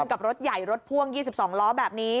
กับรถใหญ่รถพ่วง๒๒ล้อแบบนี้